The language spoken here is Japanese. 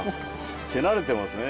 手慣れてますね。